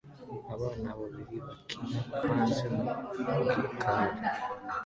Abana babiri bakina hanze mu gikari